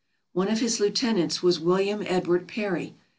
One of his lieutenants was William Edward Parry.